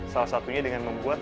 salah satunya dengan membuat